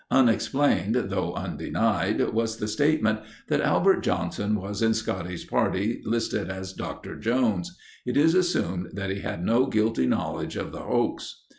Unexplained though undenied, was the statement that Albert Johnson was in Scotty's party listed as "Doctor Jones." It is assumed that he had no guilty knowledge of the hoax.